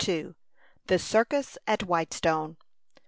THE CIRCUS AT WHITESTONE.